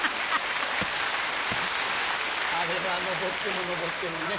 あれは上っても上ってもね。